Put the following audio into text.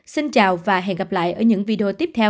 xin chào và hẹn gặp lại ở những video tiếp theo